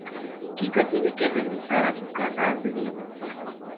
Kika tiene que regresar a su casa antes del amanecer.